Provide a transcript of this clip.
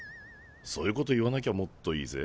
そういうこと言わなきゃもっといいぜ。